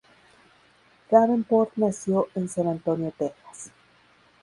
Davenport nació en San Antonio, Texas.